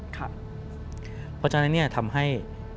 เพราะฉะนั้นเนี่ยทำให้